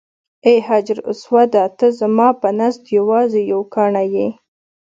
ای حجر اسوده ته زما په نزد یوازې یو کاڼی یې.